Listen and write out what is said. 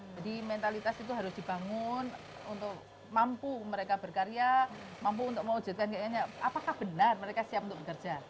jadi mentalitas itu harus dibangun untuk mampu mereka berkarya mampu untuk mewujudkan kayaknya apakah benar mereka siap untuk bekerja